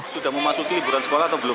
sudah memasuki liburan sekolah atau belum